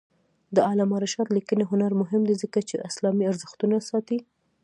د علامه رشاد لیکنی هنر مهم دی ځکه چې اسلامي ارزښتونه ساتي.